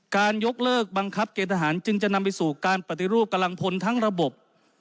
ยกเลิกบังคับเกณฑหารจึงจะนำไปสู่การปฏิรูปกำลังพลทั้งระบบ